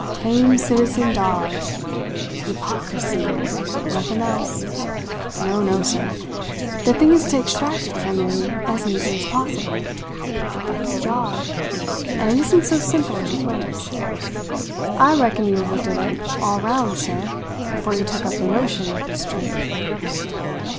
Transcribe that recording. Tame citizen dodge; 'yporcrisy nothing else. No, no, sir! The thing is to extract it from him as neatly as possible. That's the job; and it isn't so simple as it looks. I reckon you have looked at it all round, sir, before you took up the notion of this trip."